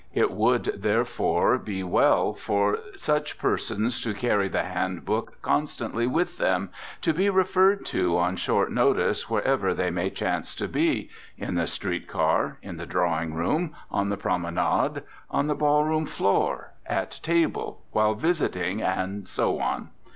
_ _It would, therefore, be well for such persons to carry the Hand Book constantly with them, to be referred to on short notice wherever they may chance to be in the street car, in the drawing room, on the promenade, on the ball room floor, at table, while visiting, and so on.